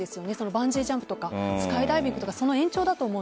バンジージャンプとかスカイダイビングとかその延長だと思うので。